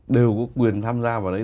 đều có quyền tham gia vào đấy